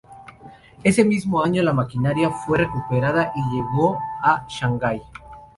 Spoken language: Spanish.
Ese mismo año la maquinaria fue recuperada y llegó a Shanghái.